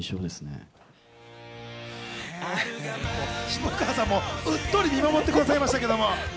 下川さんもうっとり見守ってくださいましたけど。